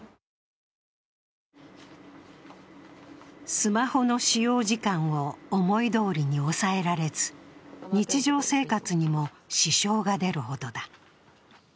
スマホの使用時間を思いどおりに抑えられず、日常生活にも支障が出るほどだ。